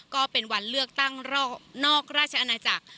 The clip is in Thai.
ก็เป็นวันเลือกตั้งนอกราชอาณาจักร